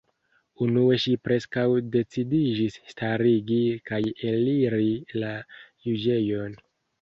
Unue ŝi preskaŭ decidiĝis stariĝi kaj eliri la juĝejon.